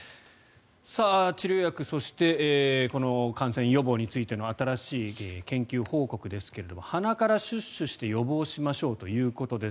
治療薬そしてこの感染予防についての新しい研究報告ですが鼻からシュッシュして予防しましょうということです。